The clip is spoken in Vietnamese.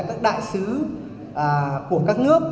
các đại sứ của các nước